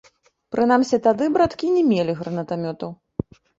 Прынамсі, тады браткі не мелі гранатамётаў.